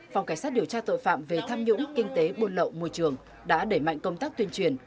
phòng cảnh sát điều tra tội phạm về tham nhũng kinh tế buôn lậu môi trường đã đẩy mạnh công tác tuyên truyền